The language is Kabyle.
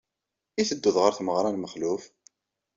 I tedduḍ ɣer tmeɣra n Mexluf?